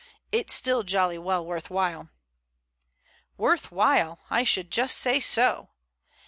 It's still jolly well worth while." "Worth while? I should just say so."